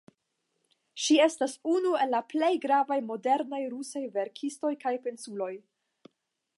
Ŝi estas unu el la plej gravaj modernaj rusaj verkistoj kaj pensuloj.